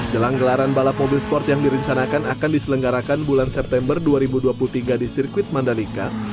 jelang gelaran balap mobil sport yang direncanakan akan diselenggarakan bulan september dua ribu dua puluh tiga di sirkuit mandalika